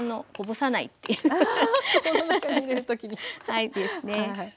はいですね。